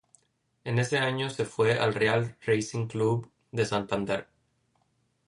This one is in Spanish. En ese año se fue al Real Racing Club de Santander.